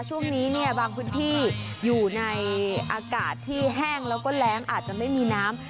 ช่วงนี้เนี่ยบางพื้นที่อยู่ในอากาศที่แห้งแล้วก็แรงอาจจะไม่มีน้ำ